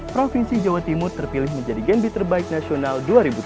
provinsi jawa timur terpilih menjadi genb terbaik nasional dua ribu tujuh belas